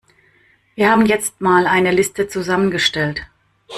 Wir haben jetzt mal eine Liste zusammengestellt.